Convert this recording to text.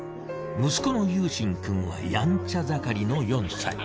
息子の優心くんはやんちゃ盛りの４歳。